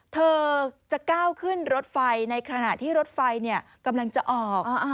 เธอจะก้าวขึ้นรถไฟในขณะที่รถไฟกำลังจะออก